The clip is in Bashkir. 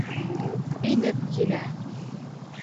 Инеп килә!